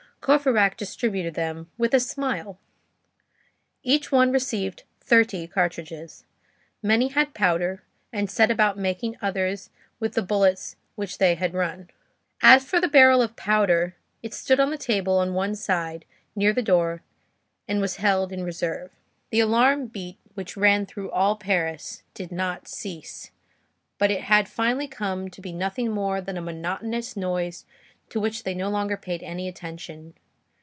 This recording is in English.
Courfeyrac distributed them with a smile. Each one received thirty cartridges. Many had powder, and set about making others with the bullets which they had run. As for the barrel of powder, it stood on a table on one side, near the door, and was held in reserve. The alarm beat which ran through all Paris, did not cease, but it had finally come to be nothing more than a monotonous noise to which they no longer paid any attention.